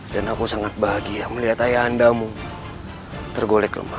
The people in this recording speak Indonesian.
dan aku sangat bahagia melihat ayahandamu tergolek lemah